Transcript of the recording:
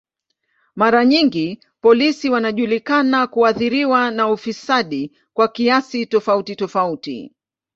Mara nyingi polisi wanajulikana kuathiriwa na ufisadi kwa kiasi tofauti tofauti.